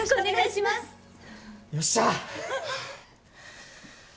よっしゃ！